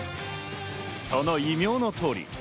その異名の通り